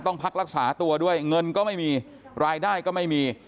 ต้องพักรักษาตัวด้วยเงินก็ไม่มีรายได้ก็ไม่มี